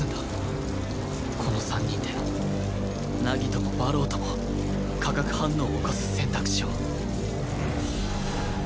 この３人で凪とも馬狼とも化学反応を起こす選択肢を